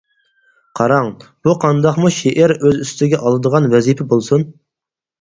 قاراڭ، بۇ قانداقمۇ شېئىر ئۆز ئۈستىگە ئالىدىغان «ۋەزىپە» بولسۇن.